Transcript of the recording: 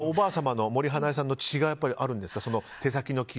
おばあさまの森英恵さんの血があるんですか？